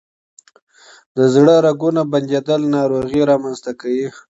د زړه رګونه بندیدل ناروغۍ رامنځ ته کوي.